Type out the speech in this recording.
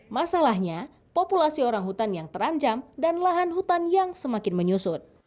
masalahnya populasi orangutan yang teranjam dan lahan hutan yang semakin menyusut